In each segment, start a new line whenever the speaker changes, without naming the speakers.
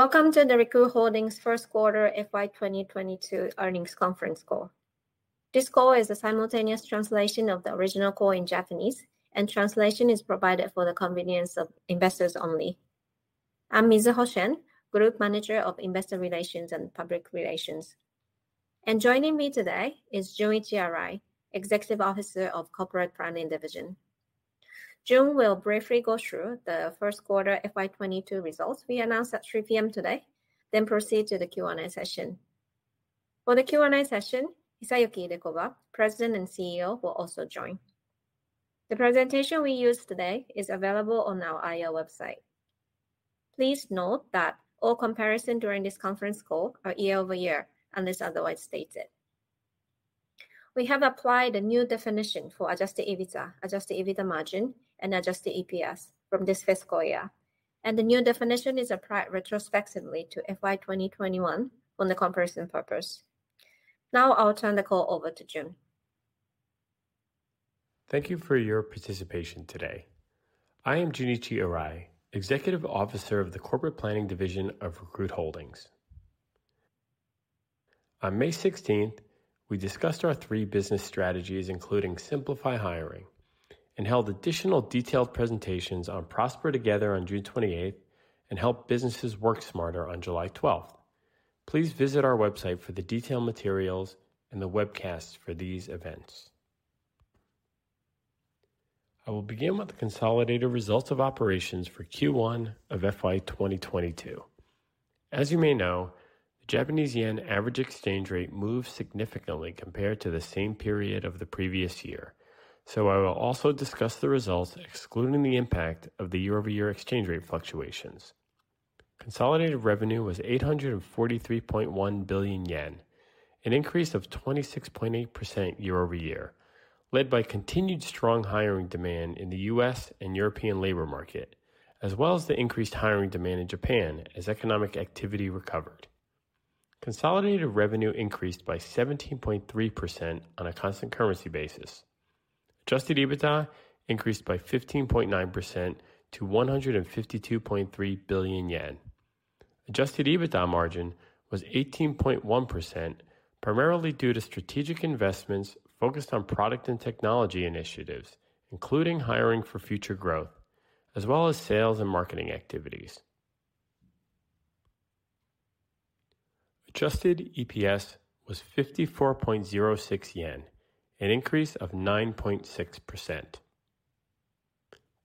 Welcome to the Recruit Holdings first quarter FY 2022 earnings conference call. This call is a simultaneous translation of the original call in Japanese, and translation is provided for the convenience of investors only. I'm Mizuho Shen, Group Manager of Investor Relations and Public Relations. Joining me today is Junichi Arai, Executive Officer of Corporate Planning Division. Jun will briefly go through the first quarter FY 2022 results we announced at 3 P.M. today, then proceed to the Q&A session. For the Q&A session, Hisayuki Idekoba, President and CEO, will also join. The presentation we use today is available on our IR website. Please note that all comparisons during this conference call are year-over-year, unless otherwise stated. We have applied a new definition for adjusted EBITDA, adjusted EBITDA margin, and adjusted EPS from this fiscal year, and the new definition is applied retrospectively to FY 2021 for the comparison purpose. Now, I'll turn the call over to Jun.
Thank you for your participation today. I am Junichi Arai, Executive Officer of the Corporate Planning Division of Recruit Holdings. On May 16th, we discussed our three business strategies including Simplify Hiring and held additional detailed presentations on Prosper Together on June 28th and Help Businesses Work Smarter on July 12th. Please visit our website for the detailed materials and the webcasts for these events. I will begin with the consolidated results of operations for Q1 of FY 2022. As you may know, the Japanese yen average exchange rate moved significantly compared to the same period of the previous year. I will also discuss the results excluding the impact of the year-over-year exchange rate fluctuations. Consolidated revenue was 843.1 billion yen, an increase of 26.8% year-over-year, led by continued strong hiring demand in the U.S. and European labor market, as well as the increased hiring demand in Japan as economic activity recovered. Consolidated revenue increased by 17.3% on a constant currency basis. Adjusted EBITDA increased by 15.9% to 152.3 billion yen. Adjusted EBITDA margin was 18.1%, primarily due to strategic investments focused on product and technology initiatives, including hiring for future growth, as well as sales and marketing activities. Adjusted EPS was 54.06 yen, an increase of 9.6%.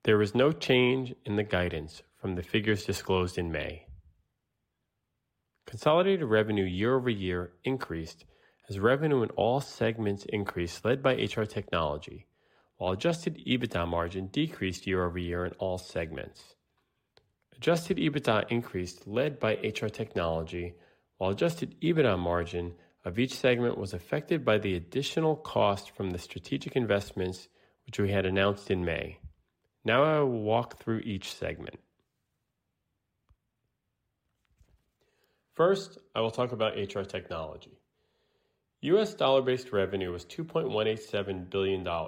There was no change in the guidance from the figures disclosed in May. Consolidated revenue year-over-year increased as revenue in all segments increased led by HR Technology, while adjusted EBITDA margin decreased year-over-year in all segments. Adjusted EBITDA increased led by HR Technology, while adjusted EBITDA margin of each segment was affected by the additional cost from the strategic investments which we had announced in May. Now I will walk through each segment. First, I will talk about HR Technology. US dollar-based revenue was $2.187 billion, an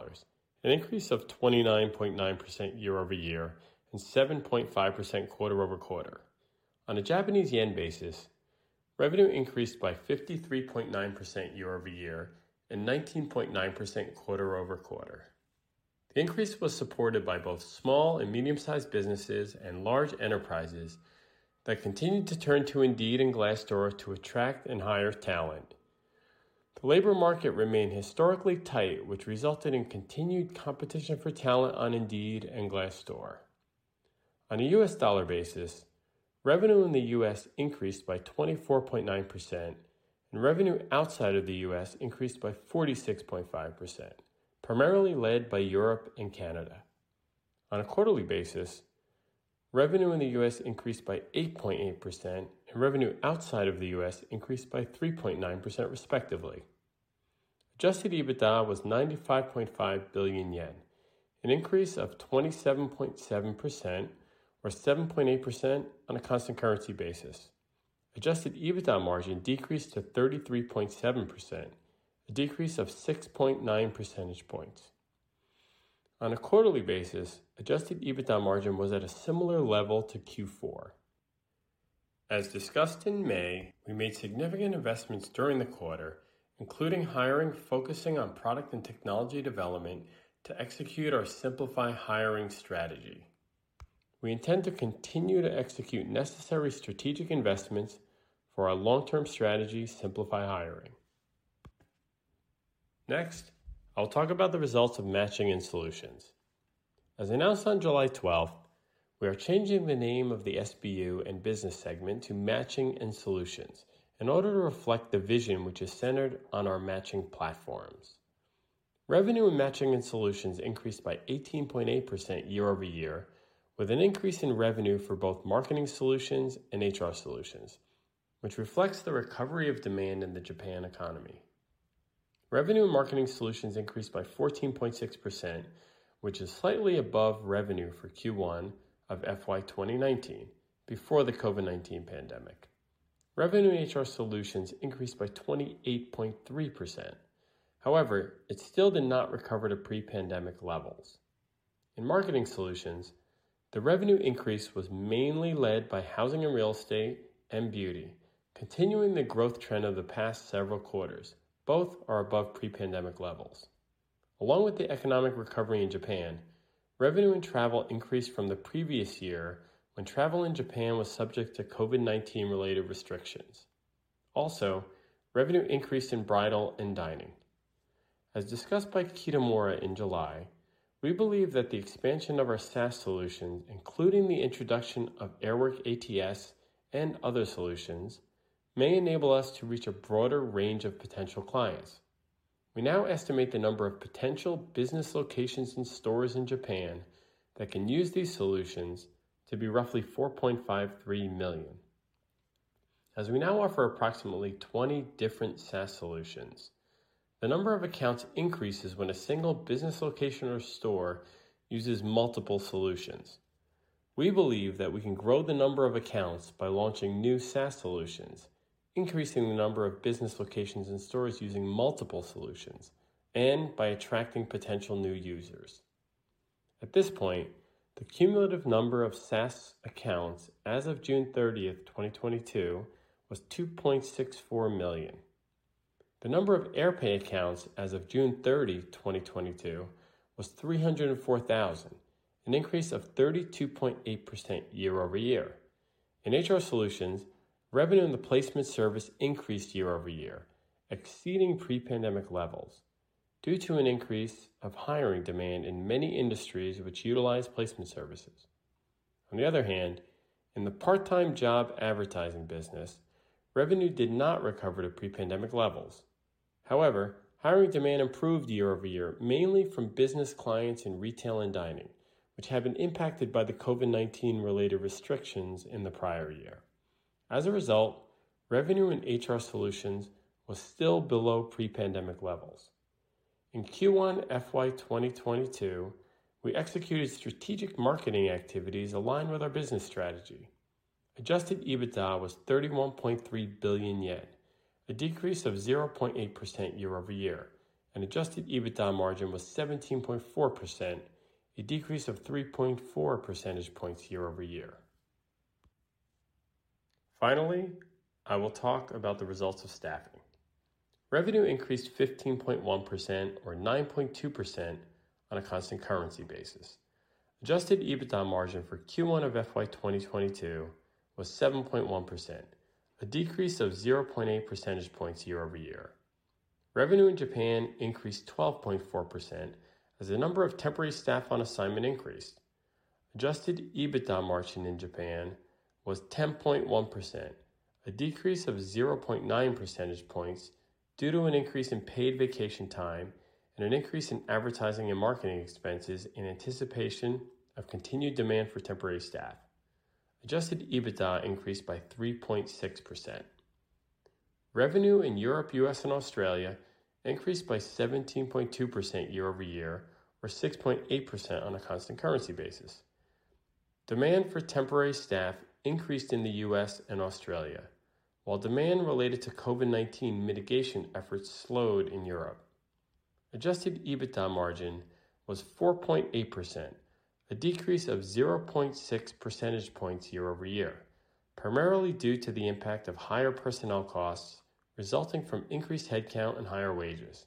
increase of 29.9% year-over-year and 7.5% quarter-over-quarter. On a Japanese yen basis, revenue increased by 53.9% year-over-year and 19.9% quarter-over-quarter. The increase was supported by both small and medium-sized businesses and large enterprises that continued to turn to Indeed and Glassdoor to attract and hire talent. The labor market remained historically tight, which resulted in continued competition for talent on Indeed and Glassdoor. On a US dollar basis, revenue in the U.S. increased by 24.9% and revenue outside of the U.S. increased by 46.5%, primarily led by Europe and Canada. On a quarterly basis, revenue in the U.S. increased by 8.8% and revenue outside of the U.S. increased by 3.9% respectively. Adjusted EBITDA was 95.5 billion yen, an increase of 27.7% or 7.8% on a constant currency basis. Adjusted EBITDA margin decreased to 33.7%, a decrease of 6.9 percentage points. On a quarterly basis, adjusted EBITDA margin was at a similar level to Q4. As discussed in May, we made significant investments during the quarter, including hiring, focusing on product and technology development to execute our Simplify Hiring strategy. We intend to continue to execute necessary strategic investments for our long-term strategy, Simplify Hiring. Next, I will talk about the results of Matching and Solutions. As announced on July 12th, we are changing the name of the SBU and business segment to Matching and Solutions in order to reflect the vision which is centered on our matching platforms. Revenue in Matching and Solutions increased by 18.8% year-over-year, with an increase in revenue for both Marketing Solutions and HR Solutions, which reflects the recovery of demand in the Japanese economy. Revenue in Marketing Solutions increased by 14.6%, which is slightly above revenue for Q1 of FY 2019, before the COVID-19 pandemic. Revenue in HR Solutions increased by 28.3%. However, it still did not recover to pre-pandemic levels. In Marketing Solutions, the revenue increase was mainly led by housing and real estate and beauty, continuing the growth trend of the past several quarters. Both are above pre-pandemic levels. Along with the economic recovery in Japan, revenue in travel increased from the previous year when travel in Japan was subject to COVID-19 related restrictions. Also, revenue increased in bridal and dining. As discussed by Kitamura in July, we believe that the expansion of our SaaS solutions, including the introduction of AirWORK ATS and other solutions, may enable us to reach a broader range of potential clients. We now estimate the number of potential business locations and stores in Japan that can use these solutions to be roughly 4.53 million. As we now offer approximately 20 different SaaS solutions, the number of accounts increases when a single business location or store uses multiple solutions. We believe that we can grow the number of accounts by launching new SaaS solutions, increasing the number of business locations and stores using multiple solutions, and by attracting potential new users. At this point, the cumulative number of SaaS accounts as of June 30, 2022 was 2.64 million. The number of AirPAY accounts as of June 30, 2022 was 304,000, an increase of 32.8% year-over-year. In HR Solutions, revenue in the placement service increased year-over-year, exceeding pre-pandemic levels due to an increase of hiring demand in many industries which utilize placement services. On the other hand, in the part-time job advertising business, revenue did not recover to pre-pandemic levels. However, hiring demand improved year-over-year, mainly from business clients in retail and dining, which have been impacted by the COVID-19-related restrictions in the prior year. As a result, revenue in HR Solutions was still below pre-pandemic levels. In Q1 FY 2022, we executed strategic marketing activities aligned with our business strategy. Adjusted EBITDA was 31.3 billion yen, a decrease of 0.8% year-over-year, and adjusted EBITDA margin was 17.4%, a decrease of 3.4 percentage points year-over-year. Finally, I will talk about the results of staffing. Revenue increased 15.1% or 9.2% on a constant currency basis. Adjusted EBITDA margin for Q1 of FY 2022 was 7.1%, a decrease of 0.8 percentage points year-over-year. Revenue in Japan increased 12.4% as the number of temporary staff on assignment increased. Adjusted EBITDA margin in Japan was 10.1%, a decrease of 0.9 percentage points due to an increase in paid vacation time and an increase in advertising and marketing expenses in anticipation of continued demand for temporary staff. Adjusted EBITDA increased by 3.6%. Revenue in Europe, U.S., and Australia increased by 17.2% year-over-year or 6.8% on a constant currency basis. Demand for temporary staff increased in the US and Australia, while demand related to COVID-19 mitigation efforts slowed in Europe. Adjusted EBITDA margin was 4.8%, a decrease of 0.6 percentage points year-over-year, primarily due to the impact of higher personnel costs resulting from increased headcount and higher wages.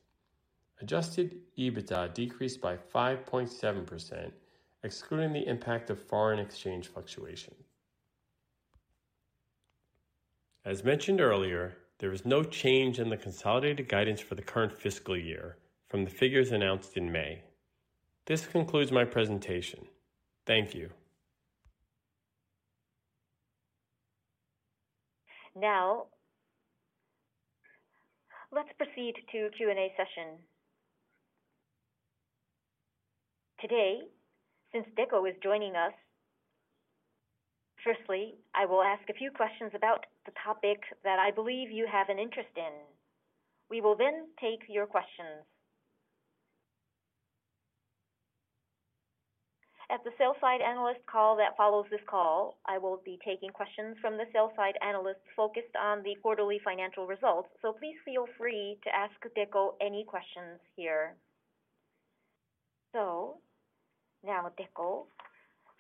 Adjusted EBITDA decreased by 5.7%, excluding the impact of foreign exchange fluctuation. As mentioned earlier, there was no change in the consolidated guidance for the current fiscal year from the figures announced in May. This concludes my presentation. Thank you.
Now, let's proceed to Q&A session. Today, since Hisayuki Idekoba is joining us, firstly, I will ask a few questions about the topic that I believe you have an interest in. We will then take your questions. At the sell-side analyst call that follows this call, I will be taking questions from the sell-side analysts focused on the quarterly financial results, so please feel free to ask Hisayuki any questions here. Now, Hisayuki,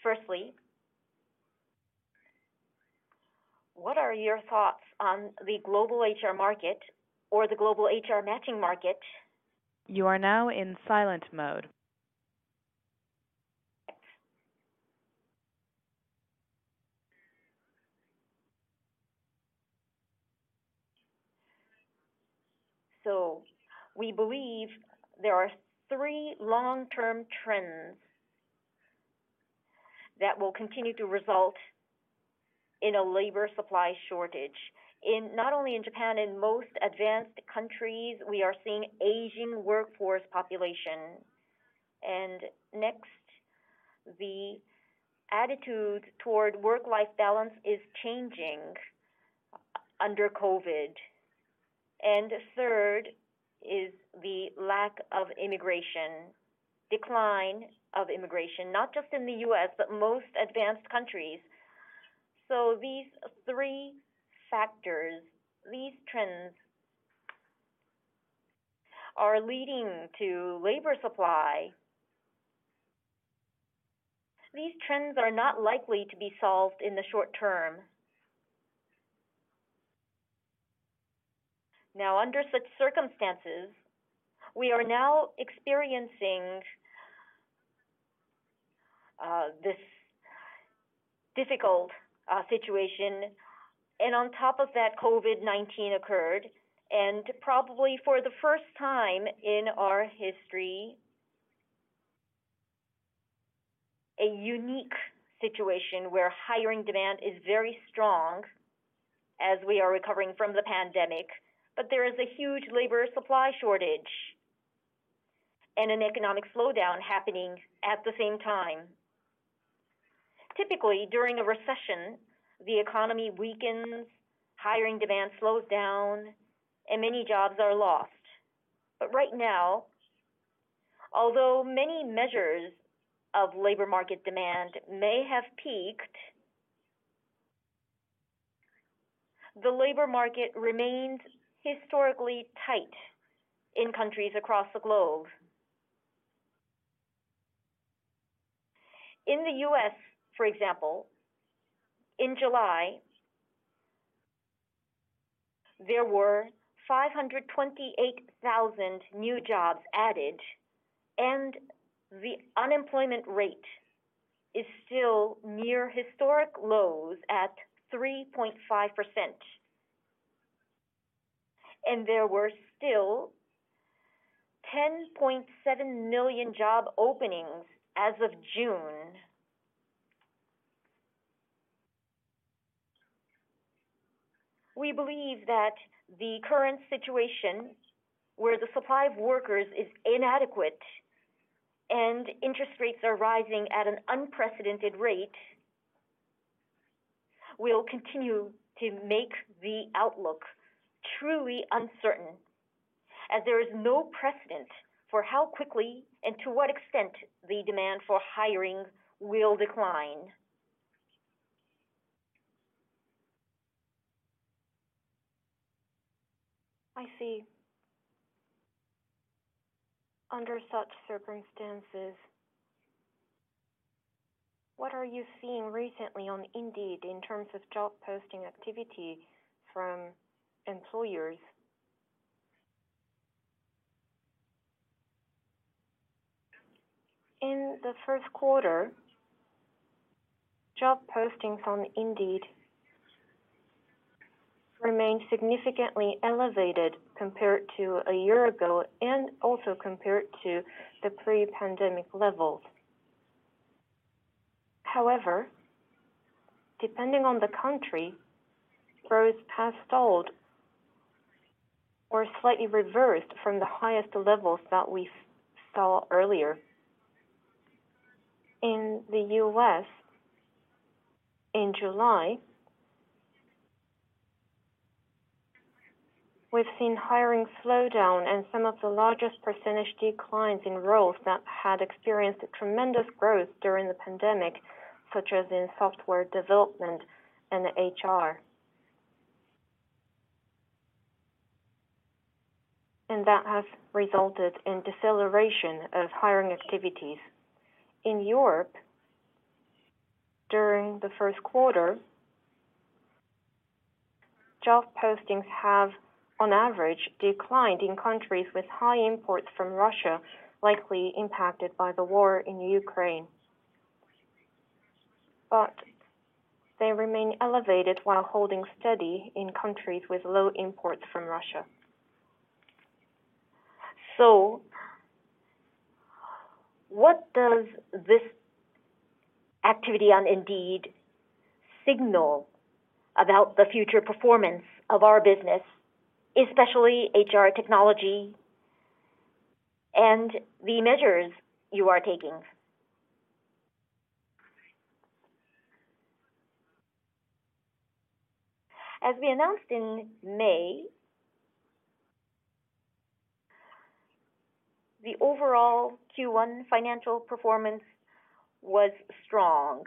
firstly, what are your thoughts on the global HR market or the global HR matching market?
You are now in silent mode.
We believe there are three long-term trends that will continue to result in a labor supply shortage. In not only in Japan, in most advanced countries, we are seeing aging workforce population. Next, the attitude toward work-life balance is changing under COVID-19. Third is the lack of immigration, decline of immigration, not just in the U.S., but most advanced countries. These three factors, these trends are leading to labor supply. These trends are not likely to be solved in the short term. Now under such circumstances, we are now experiencing, this difficult, situation, and on top of that COVID-19 occurred, and probably for the first time in our history a unique situation where hiring demand is very strong as we are recovering from the pandemic, but there is a huge labor supply shortage and an economic slowdown happening at the same time. Typically, during a recession, the economy weakens, hiring demand slows down, and many jobs are lost. Right now, although many measures of labor market demand may have peaked, the labor market remains historically tight in countries across the globe. In the U.S., for example, in July, there were 528,000 new jobs added, and the unemployment rate is still near historic lows at 3.5%. There were still 10.7 million job openings as of June. We believe that the current situation where the supply of workers is inadequate and interest rates are rising at an unprecedented rate will continue to make the outlook truly uncertain, as there is no precedent for how quickly and to what extent the demand for hiring will decline.
I see. Under such circumstances, what are you seeing recently on Indeed in terms of job posting activity from employers?
In the first quarter, job postings on Indeed remained significantly elevated compared to a year ago and also compared to the pre-pandemic levels. However, depending on the country, growth has stalled or slightly reversed from the highest levels that we saw earlier. In the U.S., in July, we've seen hiring slow down and some of the largest percentage declines in roles that had experienced tremendous growth during the pandemic, such as in software development and HR. That has resulted in deceleration of hiring activities. In Europe, during the first quarter, job postings have on average declined in countries with high imports from Russia, likely impacted by the war in Ukraine. They remain elevated while holding steady in countries with low imports from Russia.
What does this activity on Indeed signal about the future performance of our business, especially HR Technology and the measures you are taking?
As we announced in May, the overall Q1 financial performance was strong.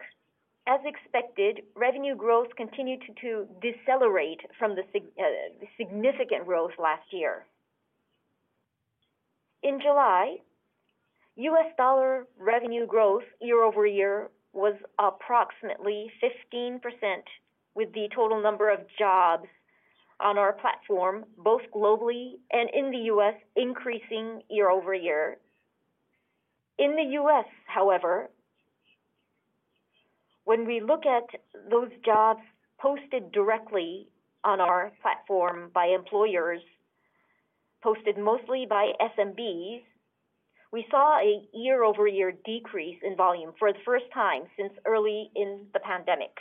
As expected, revenue growth continued to decelerate from the significant growth last year. In July, U.S. dollar revenue growth year-over-year was approximately 15% with the total number of jobs on our platform, both globally and in the U.S., increasing year-over-year. In the U.S., however, when we look at those jobs posted directly on our platform by employers, posted mostly by SMBs, we saw a year-over-year decrease in volume for the first time since early in the pandemic.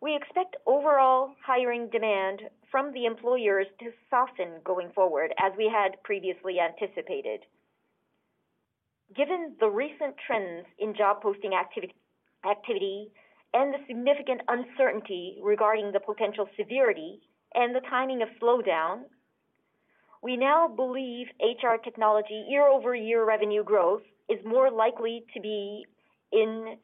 We expect overall hiring demand from the employers to soften going forward as we had previously anticipated. Given the recent trends in job posting activity and the significant uncertainty regarding the potential severity and the timing of slowdown, we now believe HR Technology year-over-year revenue growth is more likely to be in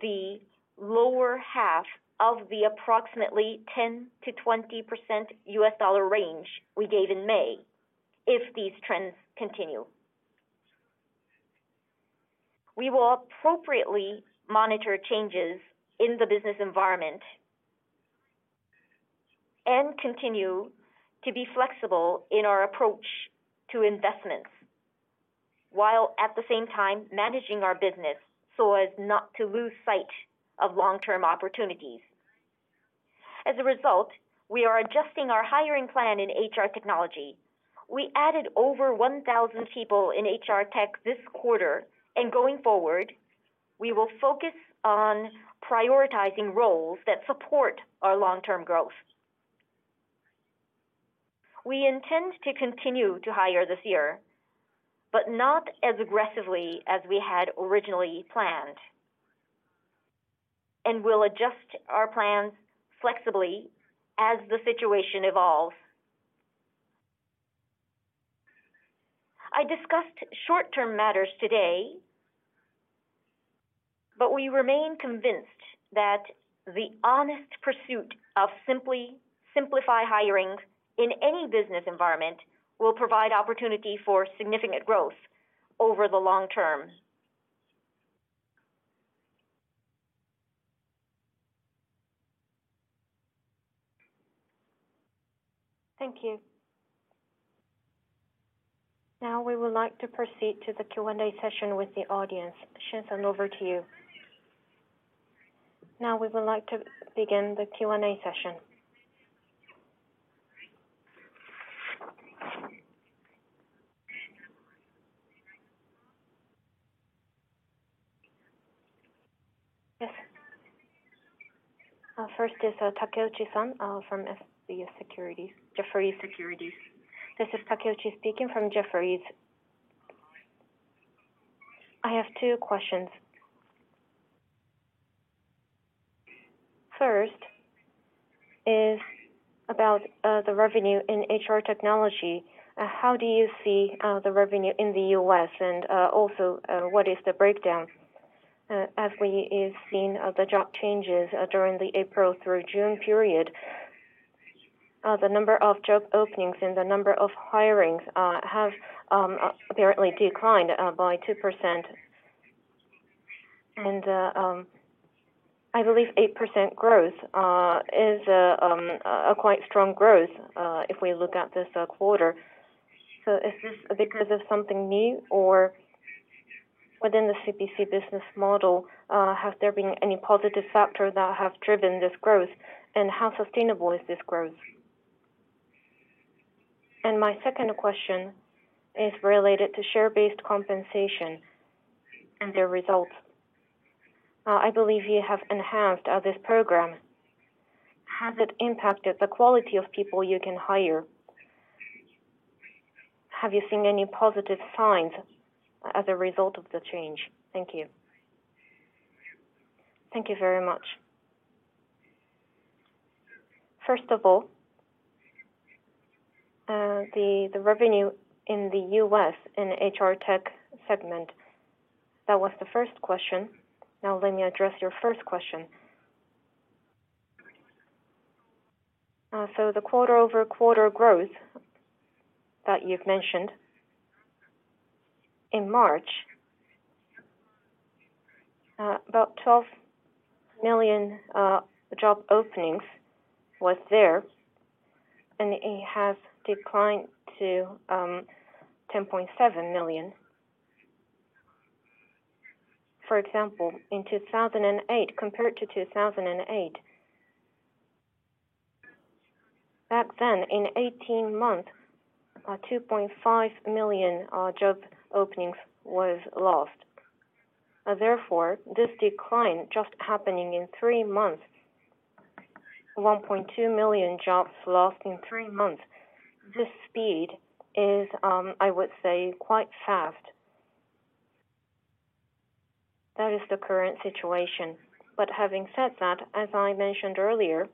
The lower half of the approximately 10%-20% U.S. dollar range we gave in May if these trends continue. We will appropriately monitor changes in the business environment and continue to be flexible in our approach to investments, while at the same time managing our business so as not to lose sight of long-term opportunities. As a result, we are adjusting our hiring plan in HR Technology. We added over 1,000 people in HR tech this quarter, and going forward, we will focus on prioritizing roles that support our long-term growth. We intend to continue to hire this year, but not as aggressively as we had originally planned. We'll adjust our plans flexibly as the situation evolves. I discussed short-term matters today, but we remain convinced that the honest pursuit of Simplify Hiring in any business environment will provide opportunity for significant growth over the long term. Thank you. Now we would like to proceed to the Q&A session with the audience. Mizuho Shen, over to you.
Now we would like to begin the Q&A session. Yes. First is Takeuchi-san from Jefferies Securities.
This is Takeuchi speaking from Jefferies Securities. I have two questions. First is about the revenue in HR Technology. How do you see the revenue in the U.S.? And also, what is the breakdown? As we have seen the job changes during the April through June period, the number of job openings and the number of hirings have apparently declined by 2%. I believe 8% growth is a quite strong growth if we look at this quarter. Is this because of something new? Or within the CBC business model, have there been any positive factors that have driven this growth? How sustainable is this growth? My second question is related to share-based compensation and their results. I believe you have enhanced this program. Has it impacted the quality of people you can hire? Have you seen any positive signs as a result of the change? Thank you.
Thank you very much. First of all, the revenue in the U.S. in HR tech segment. That was the first question. Now let me address your first question. The quarter-over-quarter growth that you've mentioned, in March, about 12 million job openings was there, and it has declined to 10.7 million. For example, compared to 2008, back then in 18 months, 2.5 million job openings was lost. Therefore, this decline just happening in three months, 1.2 million jobs lost in three months. This speed is, I would say, quite fast. That is the current situation. Having said that, as I mentioned earlier,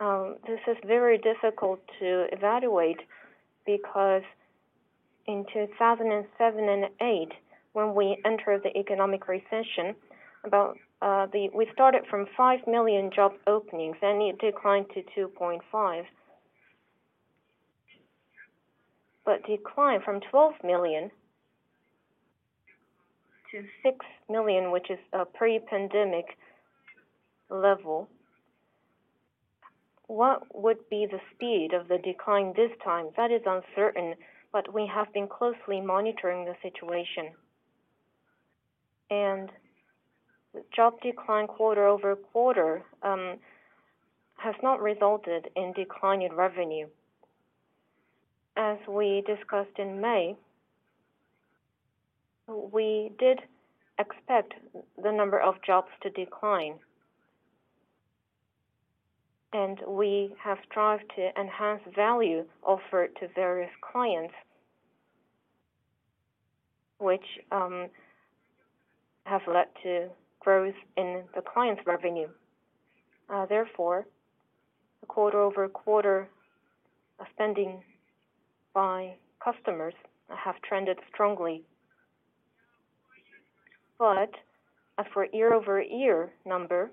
this is very difficult to evaluate because in 2007 and 2008, when we entered the economic recession, we started from five million job openings, and it declined to 2.5.
Decline from 12 million to six million, which is a pre-pandemic level, what would be the speed of the decline this time?
That is uncertain, but we have been closely monitoring the situation. Job decline quarter-over-quarter has not resulted in decline in revenue. As we discussed in May, we did expect the number of jobs to decline. We have strived to enhance value offered to various clients, which have led to growth in the client's revenue. Therefore, quarter-over-quarter spending by customers have trended strongly. As for year-over-year number,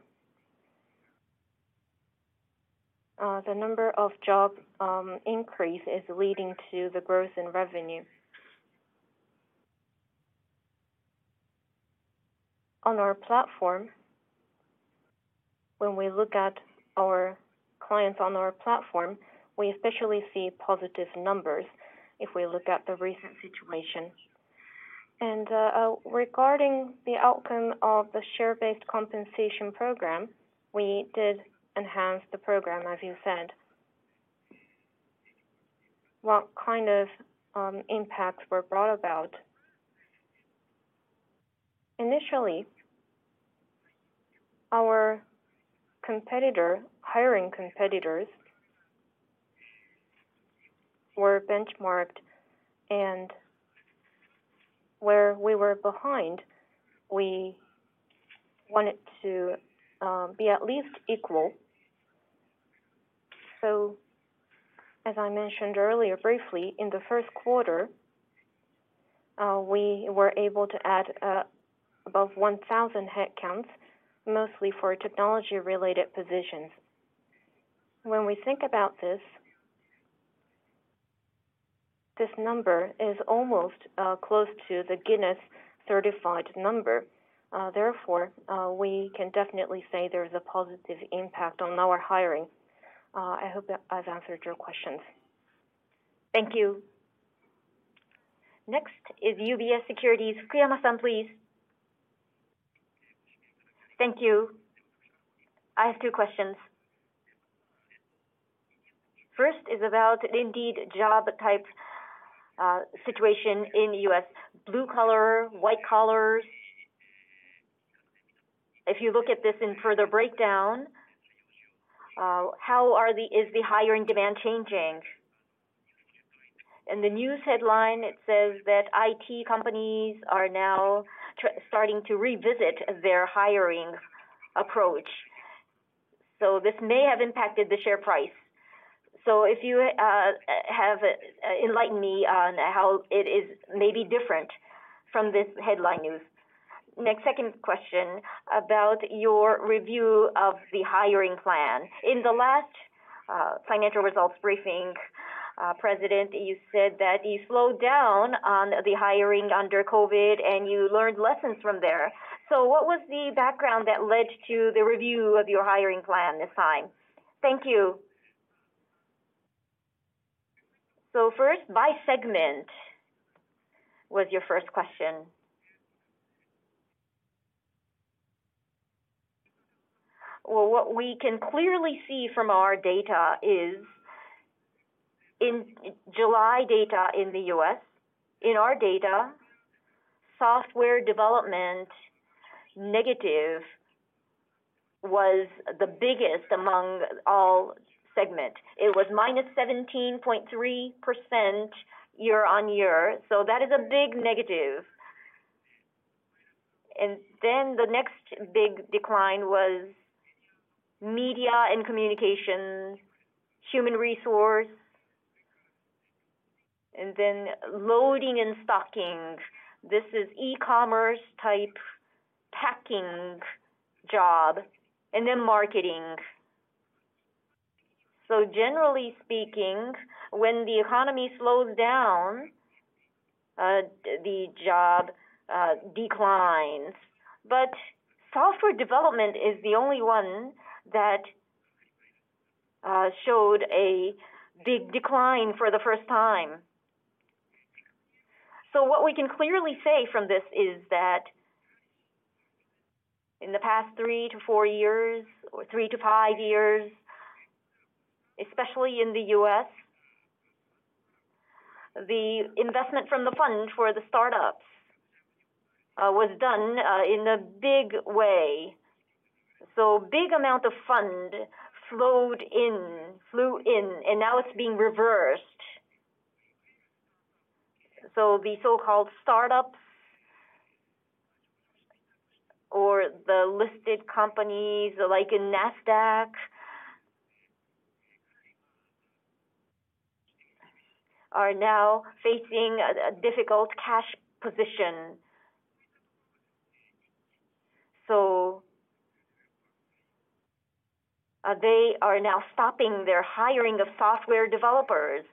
the number of jobs increase is leading to the growth in revenue. On our platform, when we look at our clients on our platform, we especially see positive numbers if we look at the recent situation. Regarding the outcome of the share-based compensation program, we did enhance the program, as you said.
What kind of impacts were brought about?
Initially, our hiring competitors were benchmarked, and where we were behind, we wanted to be at least equal. As I mentioned earlier briefly, in the first quarter, we were able to add above 1,000 headcounts, mostly for technology-related positions. When we think about this number is almost close to the Guinness certified number. Therefore, we can definitely say there's a positive impact on our hiring. I hope that I've answered your questions. Thank you.
Next is UBS Securities. Kiyama-san, please.
Thank you. I have two questions. First is about Indeed job type situation in U.S. Blue collar, white collars. If you look at this in further breakdown, how is the hiring demand changing? In the news headline, it says that IT companies are now starting to revisit their hiring approach, so this may have impacted the share price. If you enlighten me on how it is maybe different from this headline news. Next, second question about your review of the hiring plan. In the last financial results briefing, President, you said that you slowed down on the hiring under COVID, and you learned lessons from there. What was the background that led to the review of your hiring plan this time? Thank you.
First, by segment was your first question. Well, what we can clearly see from our data is in July data in the U.S., in our data, software development negative was the biggest among all segment. It was -17.3% year-on-year, so that is a big negative. The next big decline was media and communication, human resource, and then loading and stocking. This is e-commerce type packing job and then marketing. Generally speaking, when the economy slows down, the job declines. Software development is the only one that showed a big decline for the first time. What we can clearly say from this is that in the past 3-4 years, or 3-5 years, especially in the U.S., the investment from the fund for the startups was done in a big way. Big amount of fund flowed in, and now it's being reversed. The so-called startups or the listed companies like in Nasdaq are now facing a difficult cash position. They are now stopping their hiring of software developers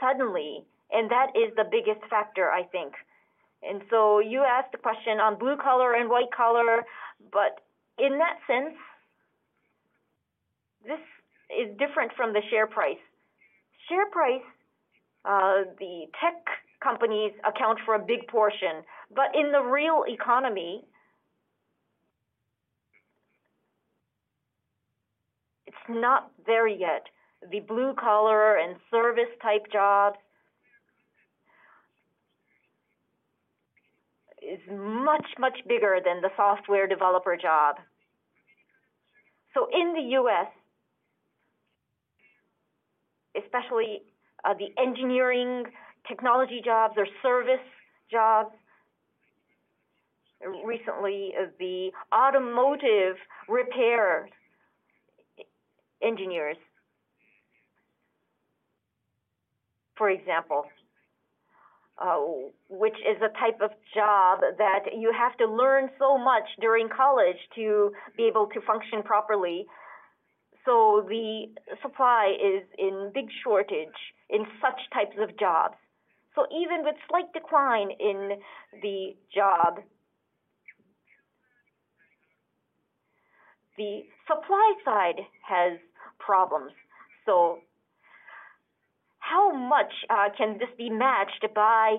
suddenly, and that is the biggest factor, I think. You asked the question on blue collar and white collar, but in that sense, this is different from the share price. Share price, the tech companies account for a big portion, but in the real economy, it's not there yet. The blue collar and service type jobs is much, much bigger than the software developer job. In the U.S., especially, the engineering technology jobs or service jobs. Recently, the automotive repair engineers, for example, which is a type of job that you have to learn so much during college to be able to function properly. The supply is in big shortage in such types of jobs. Even with slight decline in the job, the supply side has problems. How much can this be matched by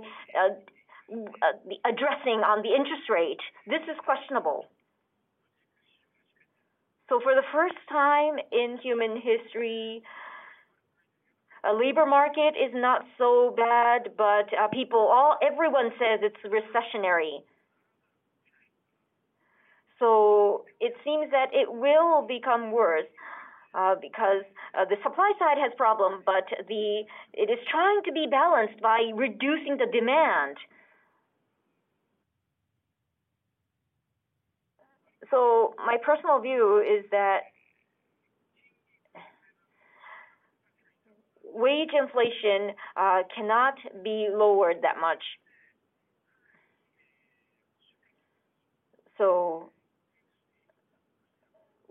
addressing on the interest rate? This is questionable. For the first time in human history, a labor market is not so bad, but people, all, everyone says it's recessionary. It seems that it will become worse because the supply side has problem, but the It is trying to be balanced by reducing the demand. My personal view is that wage inflation cannot be lowered that much.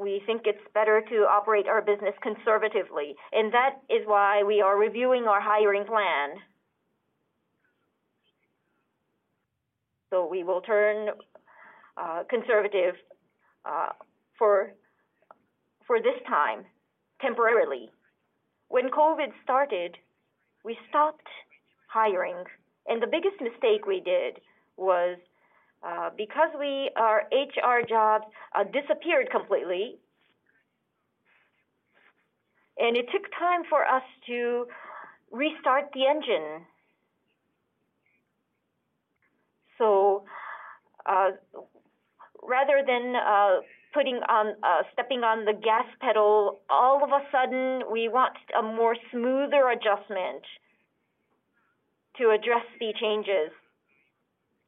We think it's better to operate our business conservatively, and that is why we are reviewing our hiring plan. We will turn conservative for this time temporarily. When COVID started, we stopped hiring, and the biggest mistake we did was because we. Our HR jobs, disappeared completely, and it took time for us to restart the engine. Rather than stepping on the gas pedal all of a sudden we want a more smoother adjustment to address the changes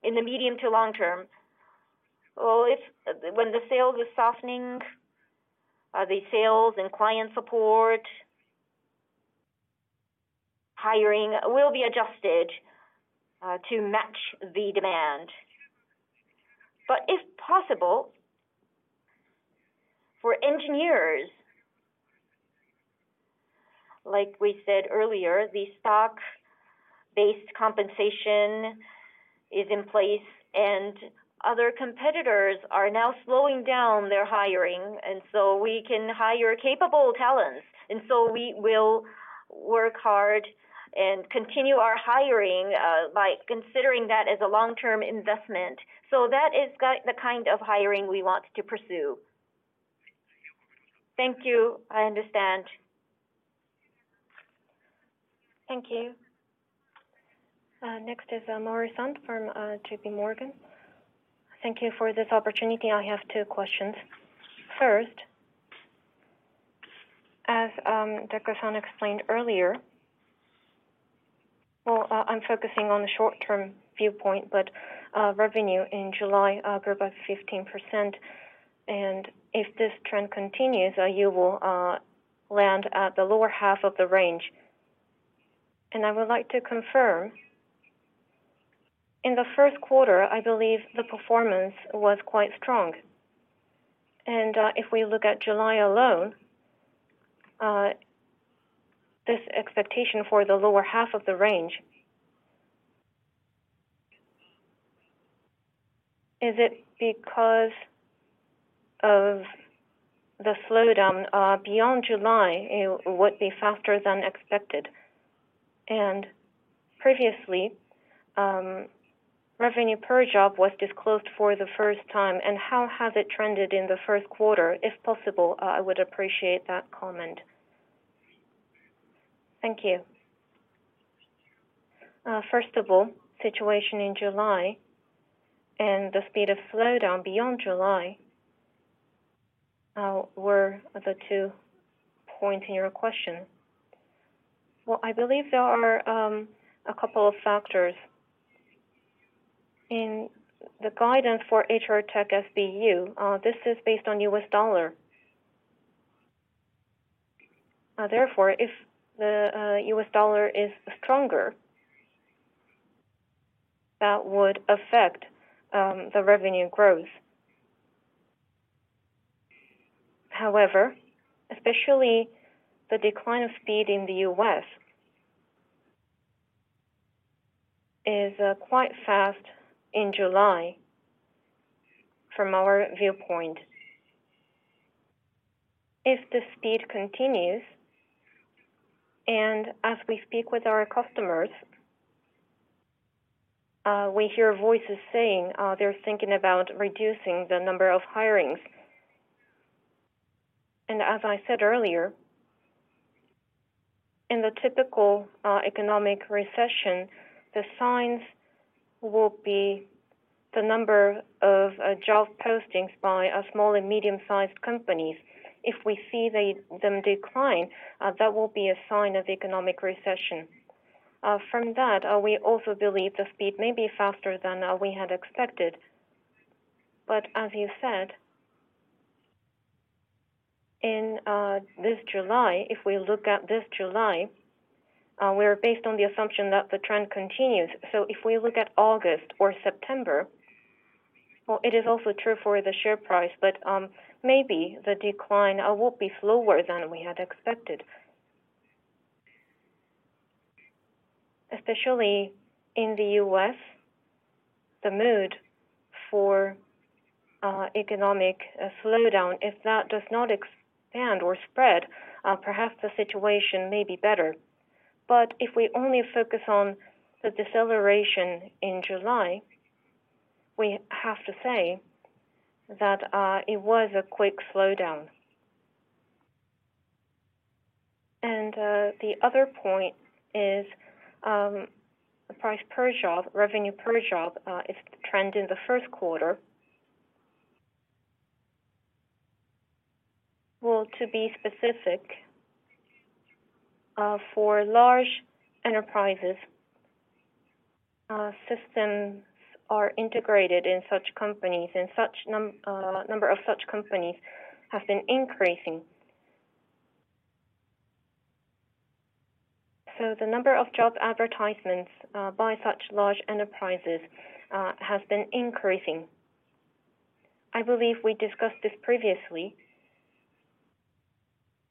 in the medium to long term. If the sales is softening, the sales and client support hiring will be adjusted to match the demand. If possible, for engineers, like we said earlier, the stock-based compensation is in place and other competitors are now slowing down their hiring, and so we can hire capable talents. We will work hard and continue our hiring, by considering that as a long-term investment. That is the kind of hiring we want to pursue.
Thank you. I understand.
Thank you.
Next is Mori-san from J.P. Morgan.
Thank you for this opportunity. I have two questions. First, as Idekoba-san explained earlier, well, I'm focusing on the short term viewpoint, but revenue in July grew by 15%, and if this trend continues, you will land at the lower half of the range. I would like to confirm, in the first quarter, I believe the performance was quite strong. If we look at July alone, this expectation for the lower half of the range, is it because of the slowdown beyond July, it would be faster than expected? Previously, revenue per job was disclosed for the first time, and how has it trended in the first quarter? If possible, I would appreciate that comment. Thank you.
First of all, situation in July and the speed of slowdown beyond July were the two points in your question. Well, I believe there are a couple of factors. In the guidance for HR Tech SBU, this is based on US dollar. Therefore, if the US dollar is stronger, that would affect the revenue growth. However, especially the speed of decline in the U.S. is quite fast in July from our viewpoint. If the speed continues, and as we speak with our customers, we hear voices saying they're thinking about reducing the number of hirings. As I said earlier, in the typical economic recession, the signs will be the number of job postings by small and medium-sized companies. If we see them decline, that will be a sign of economic recession. From that, we also believe the speed may be faster than we had expected. As you said, in this July, if we look at this July, we are based on the assumption that the trend continues. If we look at August or September, it is also true for the share price, but maybe the decline will be slower than we had expected. Especially in the U.S., the mood for economic slowdown, if that does not expand or spread, perhaps the situation may be better. If we only focus on the deceleration in July, we have to say that it was a quick slowdown. The other point is price per job, revenue per job is the trend in the first quarter. Well, to be specific, for large enterprises, systems are integrated in such companies, and such number of such companies have been increasing. The number of job advertisements by such large enterprises has been increasing. I believe we discussed this previously,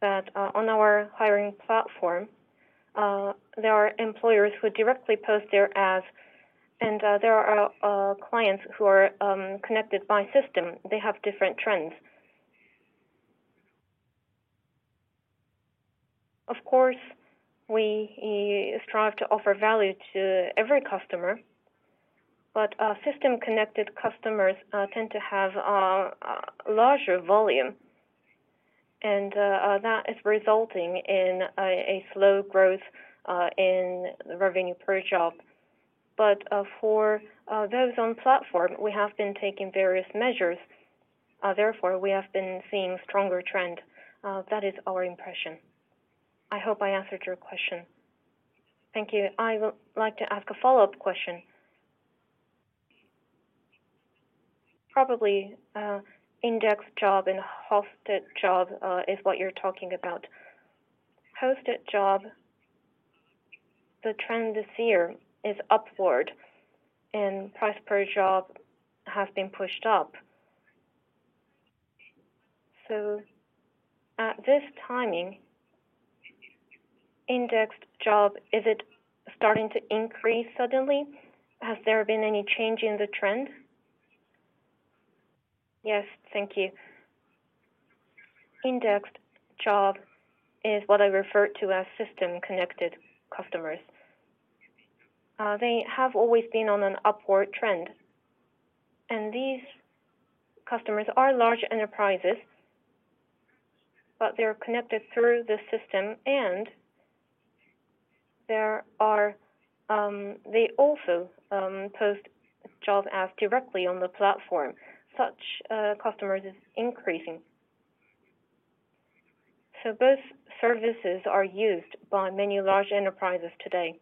that on our hiring platform there are employers who directly post their ads, and there are clients who are connected by system. They have different trends. Of course, we strive to offer value to every customer, but system-connected customers tend to have larger volume, and that is resulting in a slow growth in revenue per job. For those on platform, we have been taking various measures. Therefore, we have been seeing stronger trend. That is our impression. I hope I answered your question. Thank you.
I would like to ask a follow-up question. Probably, indexed job and hosted job is what you're talking about. Hosted job, the trend this year is upward, and price per job has been pushed up. At this timing, indexed job, is it starting to increase suddenly? Has there been any change in the trend?
Yes. Thank you. Indexed job is what I refer to as system-connected customers. They have always been on an upward trend, and these customers are large enterprises, but they're connected through the system, and there are, they also post job ads directly on the platform. Such customers is increasing. Both services are used by many large enterprises today.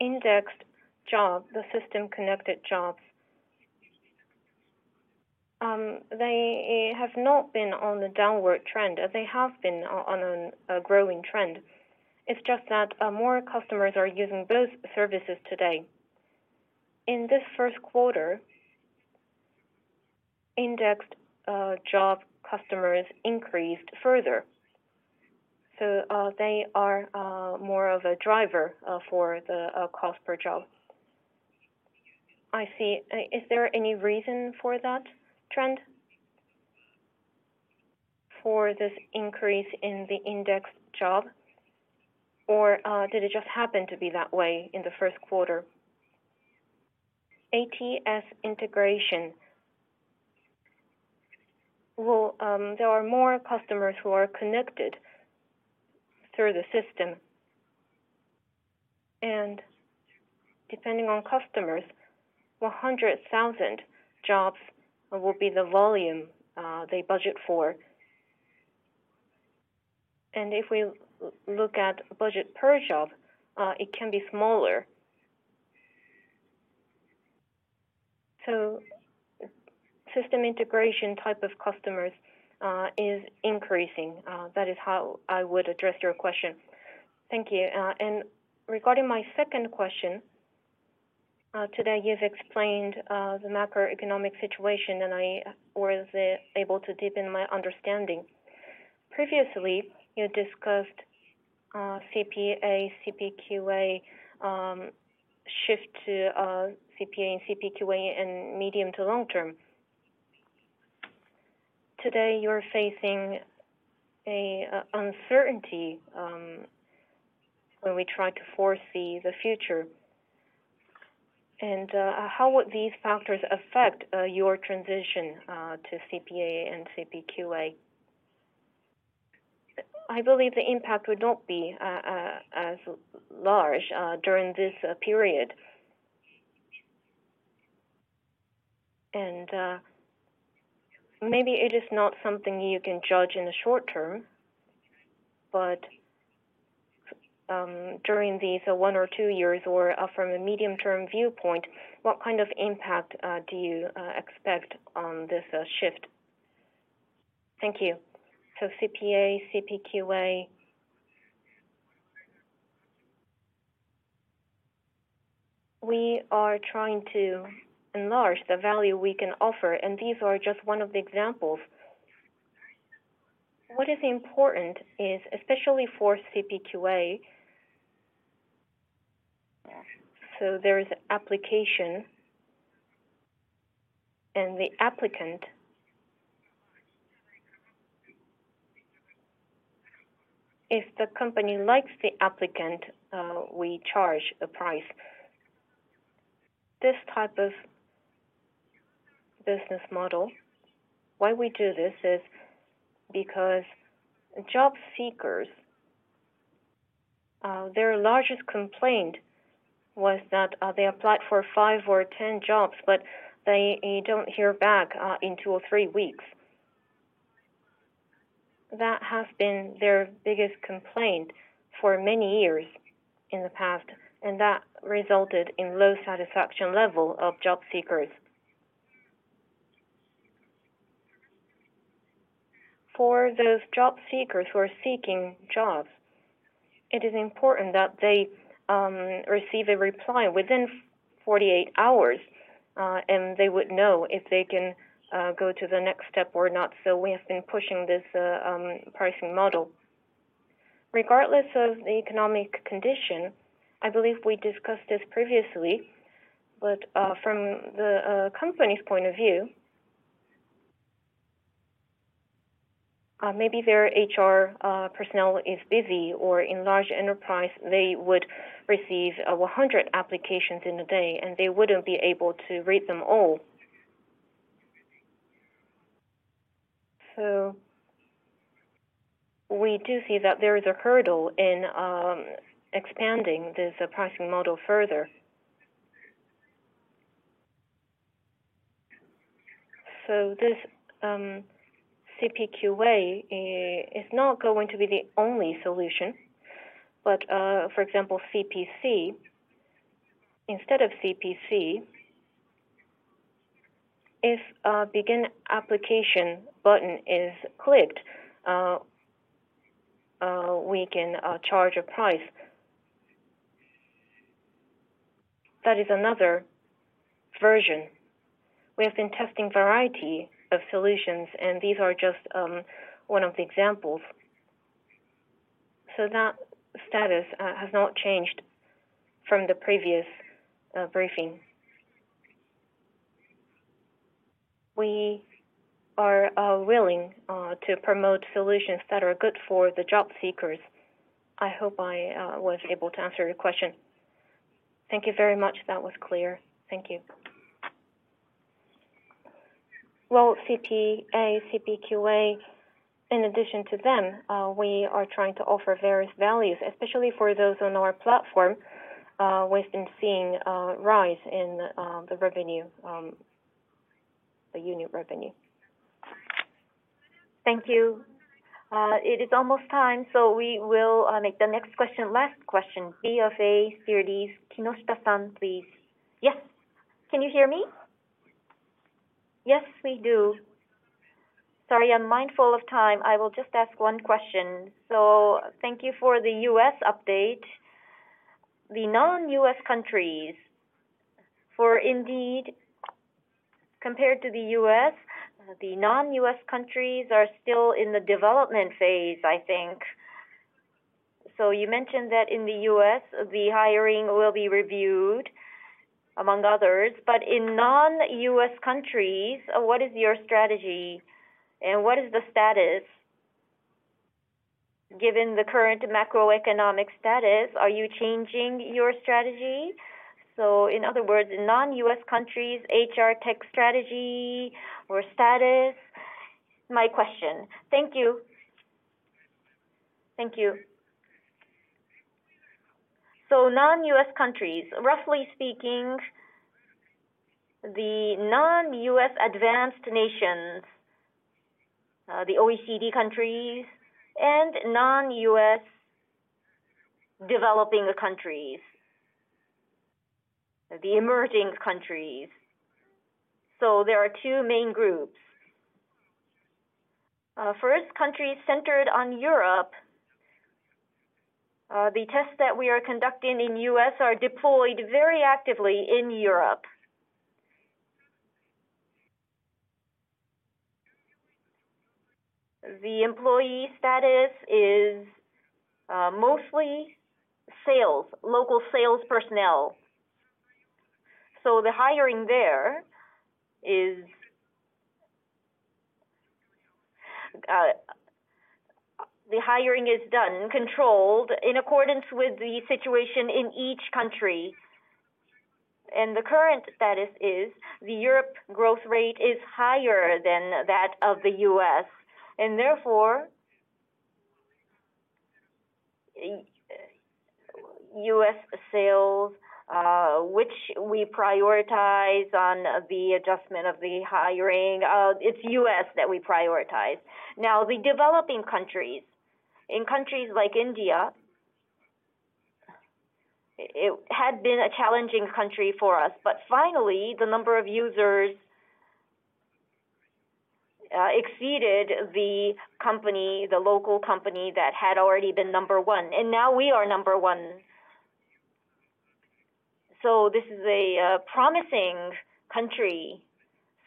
Indexed job, the system-connected jobs, they have not been on a downward trend. They have been on a growing trend. It's just that, more customers are using both services today. In this first quarter, indexed job customers increased further, so they are more of a driver for the cost per job.
I see. Is there any reason for that trend? For this increase in the indexed job, or did it just happen to be that way in the first quarter? ATS integration.
Well, there are more customers who are connected through the system, and depending on customers, 100,000 jobs will be the volume they budget for. If we look at budget per job, it can be smaller. System integration type of customers is increasing. That is how I would address your question. Thank you.
Regarding my second question, today you've explained the macroeconomic situation, and I was able to deepen my understanding. Previously, you discussed CPA, CPQA, shift to CPA and CPQA in medium to long term. Today, you're facing a uncertainty when we try to foresee the future. How would these factors affect your transition to CPA and CPQA? I believe the impact would not be as large during this period. Maybe it is not something you can judge in the short term, but during these one or two years or from a medium-term viewpoint, what kind of impact do you expect on this shift? Thank you.
CPA, CPQA. We are trying to enlarge the value we can offer, and these are just one of the examples. What is important is, especially for CPQA, there is application and the applicant. If the company likes the applicant, we charge a price. This type of business model, why we do this is because job seekers, their largest complaint was that, they applied for five or 10 jobs, but they don't hear back, in two or three weeks. That has been their biggest complaint for many years in the past, and that resulted in low satisfaction level of job seekers. For those job seekers who are seeking jobs, it is important that they, receive a reply within 48 hours, and they would know if they can, go to the next step or not. We have been pushing this pricing model. Regardless of the economic condition, I believe we discussed this previously, but from the company's point of view, maybe their HR personnel is busy, or in large enterprise, they would receive 100 applications in a day, and they wouldn't be able to read them all. We do see that there is a hurdle in expanding this pricing model further. This CPQA is not going to be the only solution. For example, CPC, instead of CPC, if a Begin Application button is clicked, we can charge a price. That is another version. We have been testing variety of solutions, and these are just one of the examples. That status has not changed from the previous briefing. We are willing to promote solutions that are good for the job seekers. I hope I was able to answer your question.
Thank you very much. That was clear.
Thank you. Well, CPA, CPQA, in addition to them, we are trying to offer various values, especially for those on our platform. We've been seeing a rise in the revenue, the unit revenue. Thank you.
It is almost time, so we will make the next question last question. BofA Securities, Kinoshita-san, please.
Yes. Can you hear me?
Yes, we do.
Sorry, I'm mindful of time. I will just ask one question. Thank you for the U.S. update. The non-U.S. countries, for Indeed, compared to the U.S., the non-U.S. countries are still in the development phase, I think. You mentioned that in the U.S., the hiring will be reviewed, among others. In non-U.S. countries, what is your strategy, and what is the status? Given the current macroeconomic status, are you changing your strategy? In other words, non-U.S. countries, HR tech strategy or status? My question. Thank you.
Thank you. Non-U.S. countries, roughly speaking, the non-U.S. advanced nations, the OECD countries and non-U.S. developing countries, the emerging countries. There are two main groups. First, countries centered on Europe. The tests that we are conducting in U.S. are deployed very actively in Europe. The employee status is mostly sales, local sales personnel. The hiring is done, controlled in accordance with the situation in each country. The current status is the Europe growth rate is higher than that of the U.S., and therefore U.S. sales, which we prioritize on the adjustment of the hiring, it's U.S. that we prioritize. Now, the developing countries, in countries like India, it had been a challenging country for us, but finally the number of users exceeded the company, the local company that had already been number one, and now we are number one. This is a promising country.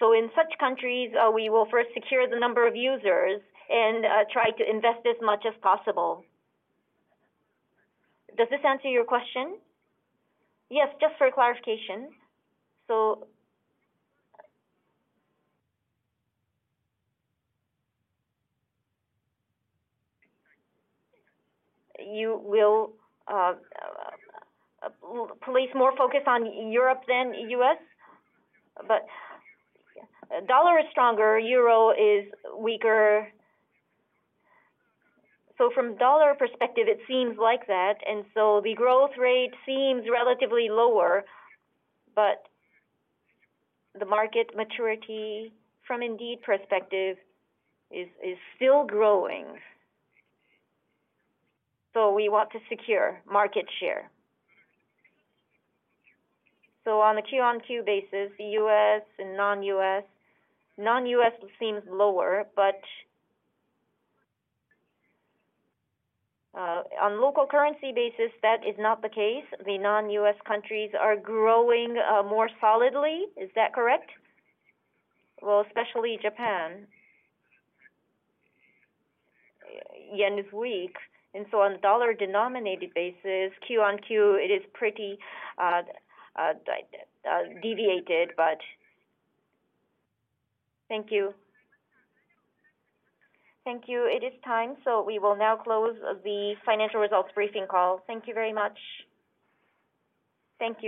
In such countries, we will first secure the number of users and try to invest as much as possible. Does this answer your question? Yes, just for clarification. You will place more focus on Europe than U.S., but dollar is stronger, euro is weaker. From dollar perspective it seems like that, and the growth rate seems relatively lower, but the market maturity from Indeed perspective is still growing. We want to secure market share. On a Q-on-Q basis, U.S. and non-US, non-US seems lower, but on local currency basis, that is not the case. The non-US countries are growing more solidly. Is that correct? Well, especially Japan. Yen is weak, and so on dollar denominated basis, Q-on-Q, it is pretty deviated, but.
Thank you.
Thank you. It is time, so we will now close the financial results briefing call. Thank you very much. Thank you.